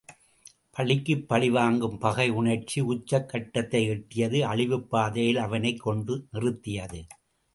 பழிக்குப் பழிவாங்கும் பகை உணர்வு உச்ச கட்டத்தை எட்டியது அழிவுப் பாதையில் அவனைக் கொண்டு நிறுத்தியது.